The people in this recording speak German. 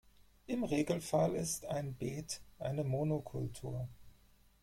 Im Regelfall ist ein Beet eine Monokultur.